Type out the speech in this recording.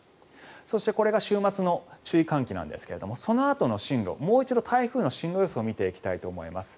そして、これが週末の注意喚起なんですがそのあとの進路、もう一度台風の進路予想を見ていきたいと思います。